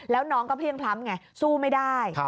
แล้วน้องก็เพลี่ยงพล้ำไงสู้ไม่ได้